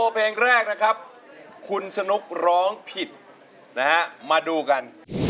เพลงแรกนะครับคุณสนุกร้องผิดนะฮะมาดูกัน